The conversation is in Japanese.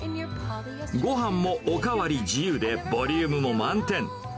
ごはんもお代わり自由でボリュームも満点。